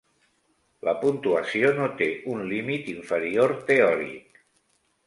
La puntuació no té un límit inferior teòric.